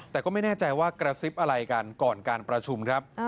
แต่ก็ไม่แน่ใจว่ากระซิบอะไรกันก่อนการประชุมครับ